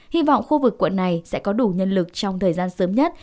hy vọng khu vực quận này sẽ có đủ nhân lực trong thời gian sớm nhất